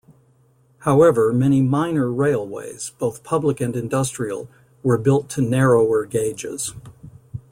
However many minor railways, both public and industrial, were built to narrower gauges.